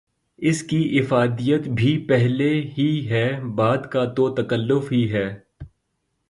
اس کی افادیت بھی پہلے ہی ہے، بعد کا تو تکلف ہی ہے۔